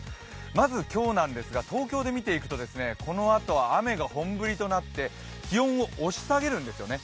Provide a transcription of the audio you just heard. まず今日なんですが、東京で見ていくとこのあと雨が本降りとなって気温を押し下げるんですよね。